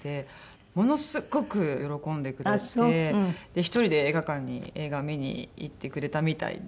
１人で映画館に映画見に行ってくれたみたいで。